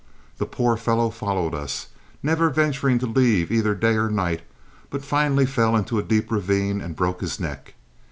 The poor fellow followed us, never venturing to leave either day or night, but finally fell into a deep ravine and broke his neck.